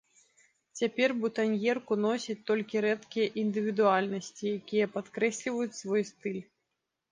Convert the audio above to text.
Цяпер бутаньерку носяць толькі рэдкія індывідуальнасці, якія падкрэсліваюць свой стыль.